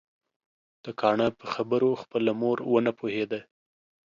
د کاڼه په خبرو خپله مور ونه پوهيده